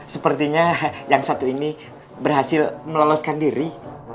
sepertinya yang satu ini berhasil meloloskan diri